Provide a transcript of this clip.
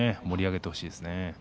盛り上げてほしいですね。